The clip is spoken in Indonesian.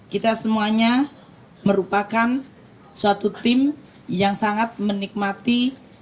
kita semuanya merupakan suatu tim yang sangat menikmati